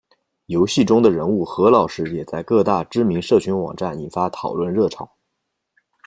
游戏中的人物「何老师」也在各大知名社群网站引发讨论热潮。